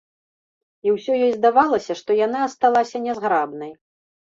І ўсё ёй здавалася, што яна асталася нязграбнай.